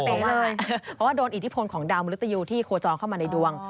เพราะว่าโดนอิทธิพลของดาวมริตยูที่โคจรเข้ามาในดวง